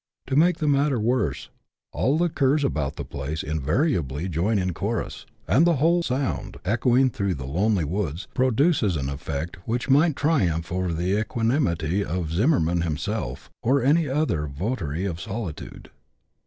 To make the matter worse, all the curs about the place invariably join in chorus, and the whole sound, echoing through the lonely woods, produces an effect which might triumph over the equa nimity of Zimmerman himself, or any other votary of solitude.